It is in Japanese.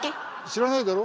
知らないだろ？